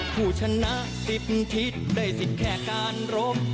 ผู้ชนะ๑๐ทิศได้สิทธิ์แค่การรบ